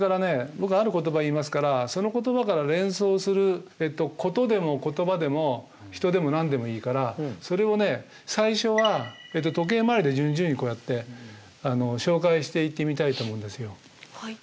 僕ある言葉言いますからその言葉から連想する事でも言葉でも人でも何でもいいからそれをね最初は時計回りで順々にこうやって紹介していってみたいと思うんですよ。